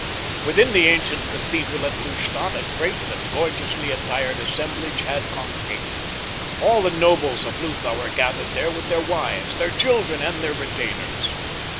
Within the ancient cathedral at Lustadt a great and gorgeously attired assemblage had congregated. All the nobles of Lutha were gathered there with their wives, their children, and their retainers.